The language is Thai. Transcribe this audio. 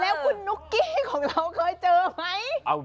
แล้วคุณนุ๊กกี้ของเราเคยเจอไหม